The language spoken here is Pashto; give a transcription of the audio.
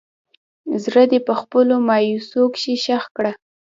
زړه دې په خپلو مايوسو کښې ښخ کړه